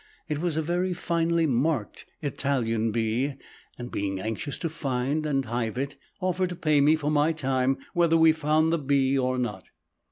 It was a very finely marked Italian bee, and being anxious to find and hive it, offered to pay me for my time whether we found the bee or not.